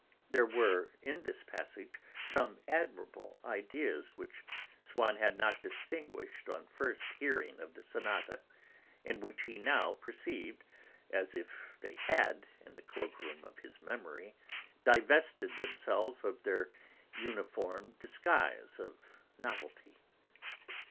There were in this passage some admirable ideas which Swann had not distinguished on first hearing the sonata, and which he now perceived, as if they had, in the cloakroom of his memory, divested themselves of their uniform disguise of novelty.